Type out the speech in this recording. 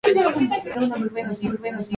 Tiene nueve pisos de altura.